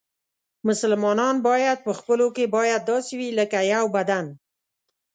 مسلمانان باید په خپلو کې باید داسې وي لکه یو بدن.